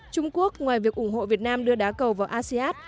trung quốc ngoài việc ủng hộ việt nam đưa đá cầu vào asean